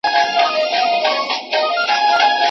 تر لحده به دي ستړی زکندن وي